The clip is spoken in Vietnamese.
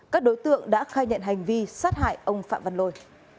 các đối tượng đã khai nhận hành vi sát hại ông phạm văn lôi